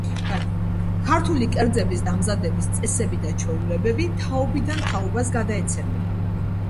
ქართული კერძების დამზადების წესები და ჩვეულებები თაობიდან თაობას გადაეცემოდა.